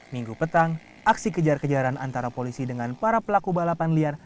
minggu petang aksi kejar kejaran antara polisi dengan para pelaku balapan liar